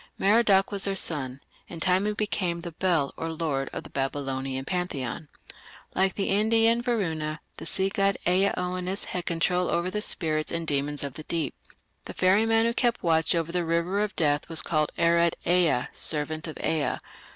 Merodach was their son: in time he became the Bel, or "Lord", of the Babylonian pantheon. Like the Indian Varuna, the sea god, Ea Oannes had control over the spirits and demons of the deep. The "ferryman" who kept watch over the river of death was called Arad Ea, "servant of Ea".